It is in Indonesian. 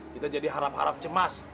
kita jadi harap harap cemas